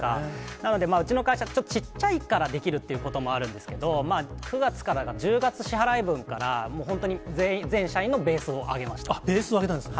なので、うちの会社、ちっちゃいからできるっていうこともあるんですけど、９月からか、１０月支払い分から本当に、全員、ベースを上げたんですね。